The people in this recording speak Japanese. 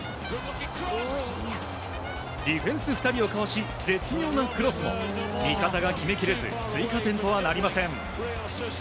ディフェンス２人をかわし絶妙なクロスも味方が決めきれず追加点とはなりません。